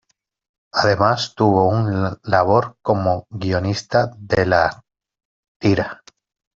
Además, tuvo un labor como guionista de la tira.